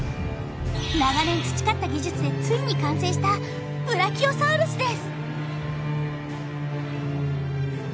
長年培った技術でついに完成したブラキオサウルスです